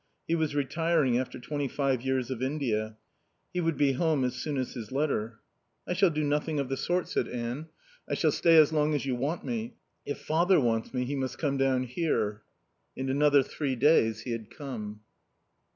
He was retiring after twenty five years of India. He would be home as soon as his letter. "I shall do nothing of the sort," said Anne. "I shall stay as long as you want me. If father wants me he must come down here." In another three days he had come.